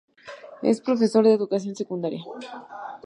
Es profesor de educación secundaria.